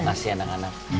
terima kasih anak anak